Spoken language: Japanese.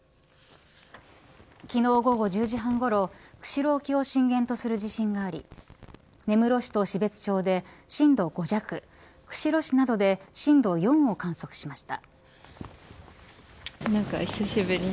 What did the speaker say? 昨日午後１０時半ごろ釧路沖を震源とする地震があり根室市と標津町で震度５弱釧路市などで震度４を観測しました。